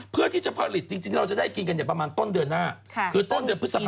เพื่อที่จะผลิตจริงเราจะได้กินกันประมาณต้นเดือนหน้าคือต้นเดือนพฤษภา